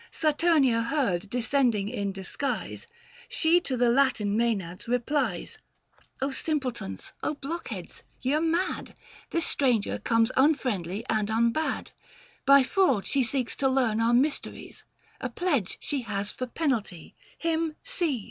Saturnia heard, descending in disguise, 605 She to the Latin Maenades replies, r simpletons, blockheads ! ye are mad ; This stranger comes unfriendly and unbad ; By fraud she seeks to learn our mysteries ; A pledge she has for penalty — him seize."